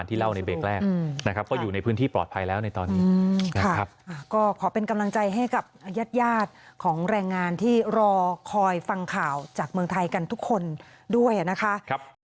พี่สิทธิ์เขานอนอยู่ห้องนั้นแล้วมันโดนระเบิดครับห้องนั้นมันโดนระเบิดมันห้างไปทั้งทีครับเลย